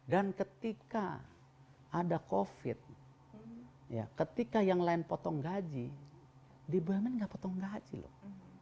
dan ketika ada covid ketika yang lain potong gaji di bumn tidak potong gaji loh